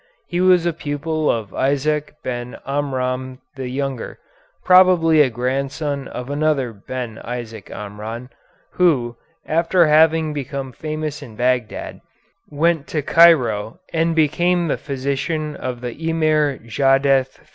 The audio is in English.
He was a pupil of Isaac Ben Amram the younger, probably a grandson of another Isaac Ben Amram, who, after having become famous in Bagdad, went to Cairo and became the physician of the Emir Zijadeth III.